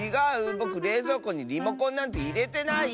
ぼくれいぞうこにリモコンなんていれてない！